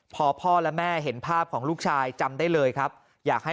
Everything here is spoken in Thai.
พอพ่อและแม่เห็นภาพของลูกชายจำได้เลยครับอยากให้